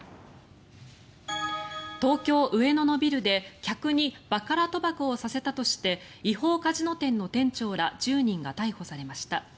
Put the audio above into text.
東京・上野のビルで客にバカラ賭博をさせたとして違法カジノ店の店長ら１０人が逮捕されました。